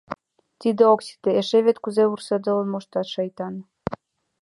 Тиде ок сите, эше вет кузе вурседылын мошта, шайтан!